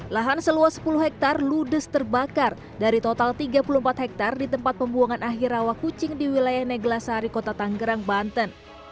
lahan seluas sepuluh hektare ludes terbakar dari total tiga puluh empat hektare di tempat pembuangan akhir rawa kucing di wilayah neglasari kota tanggerang banten